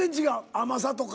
甘さとか。